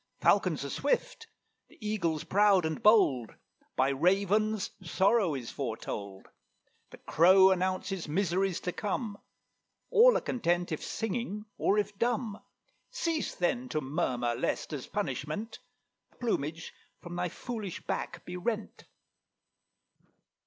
Falcons are swift; the Eagle's proud and bold; By Ravens sorrow is foretold; The Crow announces miseries to come; All are content if singing or if dumb. Cease, then, to murmur, lest, as punishment, The plumage from thy foolish back be rent."